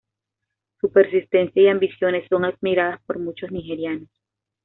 Su persistencia y ambiciones son admiradas por muchos nigerianos.